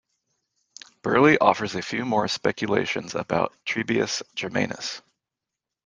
Birley offers a few more speculations about Trebius Germanus.